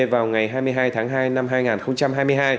vào ngày hai mươi hai tháng hai năm hai nghìn hai mươi hai